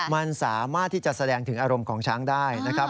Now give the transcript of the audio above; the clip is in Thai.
มันสามารถที่จะแสดงถึงอารมณ์ของช้างได้นะครับ